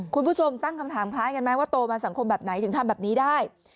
คุณผู้ชมตั้งคำถามคล้ายกันไหมว่าโตมาสังคมแบบไหนถึงทำแบบนี้ได้